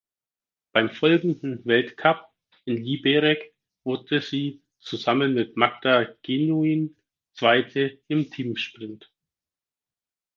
Beim folgenden Weltcup in Liberec wurde sie zusammen mit Magda Genuin Zweite im Teamsprint.